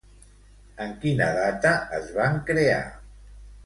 En quina data es van crear?